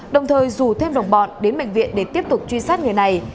đồng thời rủ thêm đồng bọn đến bệnh viện để tiếp tục truy sát người này